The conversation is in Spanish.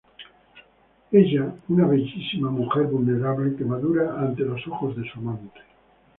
Ella, una bellísima mujer vulnerable, que madura ante los ojos de su amante.